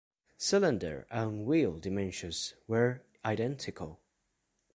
Cylinder and wheel dimensions were identical.